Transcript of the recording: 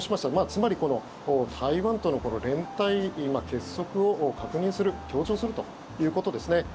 つまり台湾との連帯、結束を確認する、強調するということですね。